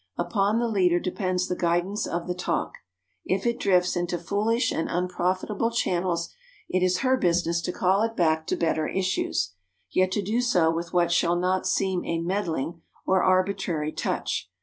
Upon the leader depends the guidance of the talk. If it drifts into foolish and unprofitable channels, it is her business to call it back to better issues, yet to do so with what shall not seem a meddling or arbitrary touch.